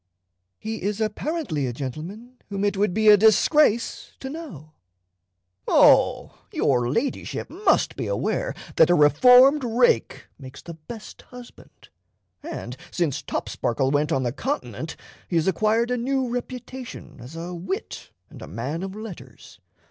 "He is apparently a gentleman whom it would be a disgrace to know," "Oh, your Ladyship must be aware that a reformed rake makes the best husband. And since Topsparkle went on the Continent he has acquired a new reputation as a wit and a man of letters.